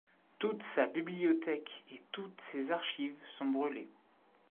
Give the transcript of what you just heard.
Toute sa bibliothèque et toutes ses archives sont brûlées.